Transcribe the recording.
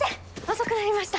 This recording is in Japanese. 遅くなりました。